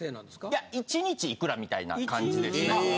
いや１日いくらみたいな感じですね。